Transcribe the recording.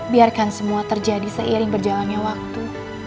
biarkan semua terjadi seiring berjalannya waktu